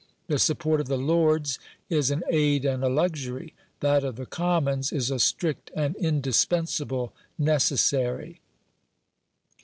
The support of the Lords is an aid and a luxury; that of the Commons is a strict and indispensable necessary.